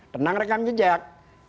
tenang rekam jejak